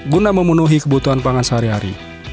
guna memenuhi kebutuhan pangan sehari hari